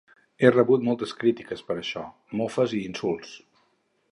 He rebut moltes crítiques per això, mofes i insults.